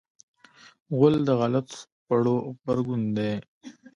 غول د غلط خوړو غبرګون دی.